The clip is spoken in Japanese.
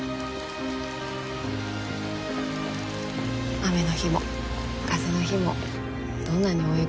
雨の日も風の日もどんなに大雪の日だって